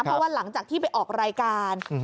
เพราะว่าหลังจากที่ไปออกรายการ